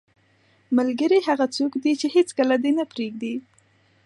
ملګری هغه څوک دی چې هیڅکله دې نه پرېږدي.